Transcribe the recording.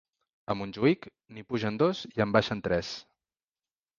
A Montjuïc, n'hi pugen dos i en baixen tres!